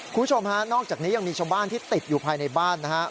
คุณผู้ชมฮะนอกจากนี้ยังมีชาวบ้านที่ติดอยู่ภายในบ้านนะฮะ